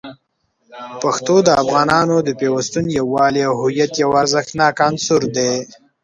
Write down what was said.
پښتو د افغانانو د پیوستون، یووالي، او هویت یو ارزښتناک عنصر دی.